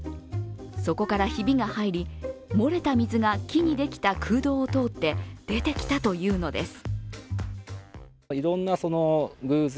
そこからひびが入り漏れた水が木にできた空洞を通って出てきたというのです。